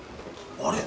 あれ？